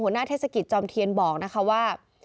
หัวหน้าเทศกิจจอมเทียนบอกนะคะว่า